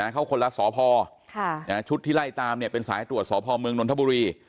เขาคนละสพชุดที่ไล่ตามเป็นสายตรวจสพเมืองนนทบุรี